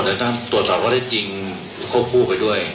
หรือยังถ้าตัวต่อก็ได้จริงพูดแบบโหคู่ไปด้วย